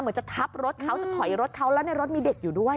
จะทับรถเขาจะถอยรถเขาแล้วในรถมีเด็กอยู่ด้วย